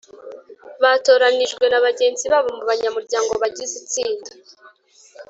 batoranijwe na bagenzi babo mu banyamuryango bagize itsinda